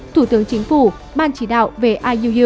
thủ tướng chính phủ ban chỉ đạo về iuu